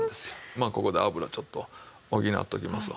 まあここで油ちょっと補っておきますわ。